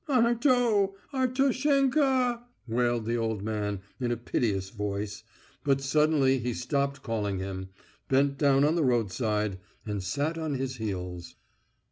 "Arto! Ar tosh enka!" wailed the old man in a piteous voice, but suddenly he stopped calling him, bent down on the roadside and sat on his heels.